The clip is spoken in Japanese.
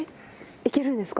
行けるんですか？